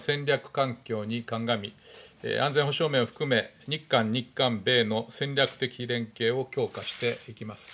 環境に鑑み安全保障面を含め日韓、日韓米の戦略的連携を強化していきます。